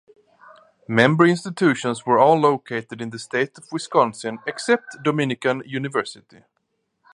Member institutions were all located in the State of Wisconsin except Dominican University.